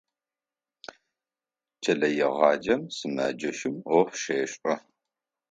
Кӏэлэегъаджэм сымэджэщым ӏоф щешӏэ.